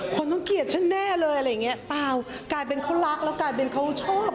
คนต้องเกลียดฉันแน่เลยอะไรอย่างเงี้เปล่ากลายเป็นเขารักแล้วกลายเป็นเขาชอบ